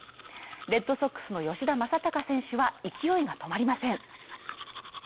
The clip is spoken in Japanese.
レッドソックスの吉田正尚選手は勢いが止まりません。